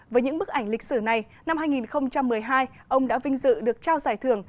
với những bức ảnh lịch sử này năm hai nghìn một mươi hai ông đã vinh dự được trao giải thưởng